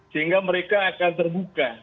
sehingga mereka akan terbuka